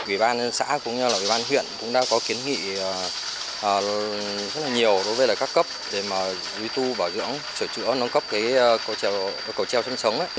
ủy ban xã cũng như là ủy ban huyện cũng đã có kiến nghị rất là nhiều đối với các cấp để mà duy tu bảo dưỡng sửa chữa nâng cấp cái cầu treo trên sống